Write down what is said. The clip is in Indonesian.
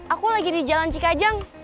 aku lagi di jalan cikajang